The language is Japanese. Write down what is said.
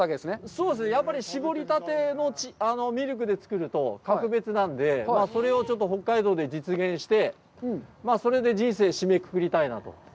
そうですね、やっぱり搾りたてのミルクで作ると格別なので、それを北海道で実現して、それで人生締めくくりたいなと。